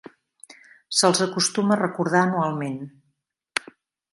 Se'ls acostuma a recordar anualment.